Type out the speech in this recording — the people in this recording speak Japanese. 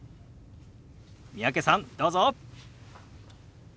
三宅さんどうぞ！